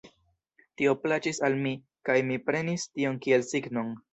Tio plaĉis al mi kaj mi prenis tion kiel signon.